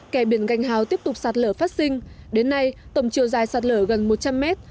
kè biển ganh hào tiếp tục sạt lở phát sinh đến nay tổng chiều dài sạt lở gần một trăm linh mét